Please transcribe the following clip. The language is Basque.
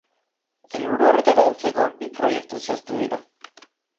Helburu horretara heltzeko, bi proiektu zehaztu dira.